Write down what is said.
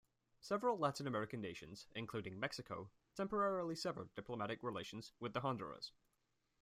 Several Latin American nations including Mexico temporarily severed diplomatic relations with Honduras.